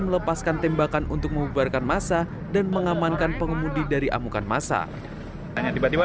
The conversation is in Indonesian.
melepaskan tembakan untuk membubarkan masa dan mengamankan pengemudi dari amukan masa tiba tiba